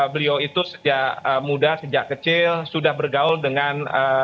beliau itu sejak muda sejak kecil sudah bergaul dengan